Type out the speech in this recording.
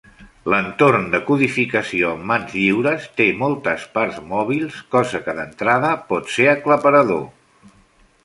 L'entorn de codificació amb mans lliures té moltes parts mòbils, cosa que d'entrada pot ser aclaparador.